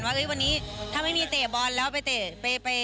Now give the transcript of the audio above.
ว่าวันนี้ถ้าไม่มีเตะบอลแล้วไปเตะ